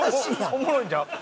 おもろいんちゃう？